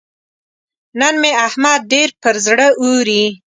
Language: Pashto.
نن مې احمد ډېر پر زړه اوري.